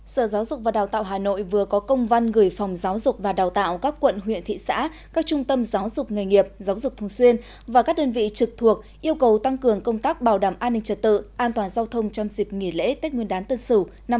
sở giáo dục và đào tạo hà nội vừa có công văn gửi phòng giáo dục và đào tạo các quận huyện thị xã các trung tâm giáo dục nghề nghiệp giáo dục thùng xuyên và các đơn vị trực thuộc yêu cầu tăng cường công tác bảo đảm an ninh trật tự an toàn giao thông trong dịp nghỉ lễ tết nguyên đán tân sửu năm hai nghìn hai mươi một